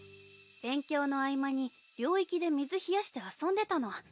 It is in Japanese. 勉強の合間に領域で水冷やして遊んでたの。